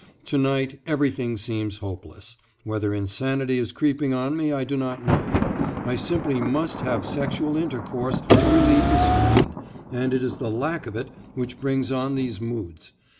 To night everything seems hopeless whether insanity is creeping on me I do not know. I simply must have sexual intercourse to relieve the strain, and it is the lack of it which brings on these moods.